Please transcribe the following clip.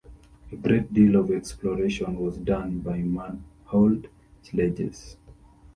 A great deal of exploration was done by manhauled sledges.